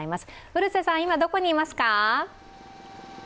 古瀬さん、今、どこにいますか？